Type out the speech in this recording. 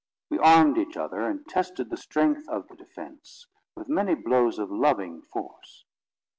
We armed each other, and tested the strength of the defence, with many blows of loving force.